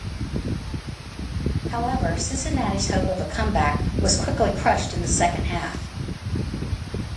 However, Cincinnati's hope of a comeback was quickly crushed in the second half.